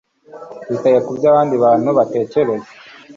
witaye kubyo abandi bantu batekereza